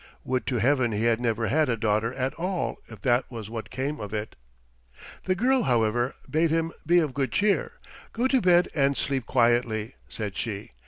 Would to Heaven he had never had a daughter at all if that was what came of it. The girl, however, bade him be of good cheer. "Go to bed and sleep quietly," said she.